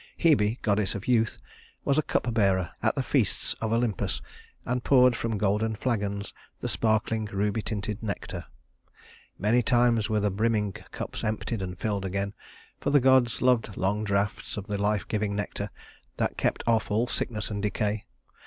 Hebe, goddess of youth, was cupbearer at the feasts of Olympus and poured from golden flagons the sparkling, ruby tinted nectar. Many times were the brimming cups emptied and filled again, for the gods loved long draughts of the life giving nectar that kept off all sickness and decay.